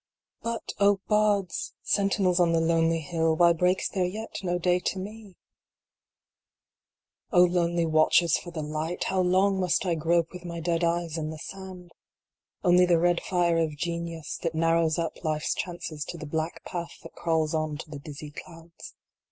But, O Bards ! sentinels on the Lonely Hill, why breaks there yet no Day to me ? 73 74 MISERIMUS. II. O lonely watchers for the Light ! how long must I grope with my dead eyes in the sand ? Only the red fire of Genius, that narrows up life s chances to the black path that crawls on to the dizzy clouds.